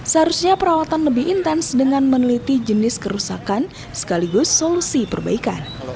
seharusnya perawatan lebih intens dengan meneliti jenis kerusakan sekaligus solusi perbaikan